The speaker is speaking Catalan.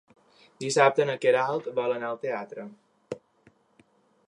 Dissabte na Queralt vol anar al teatre.